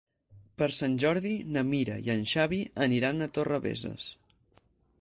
Per Sant Jordi na Mira i en Xavi aniran a Torrebesses.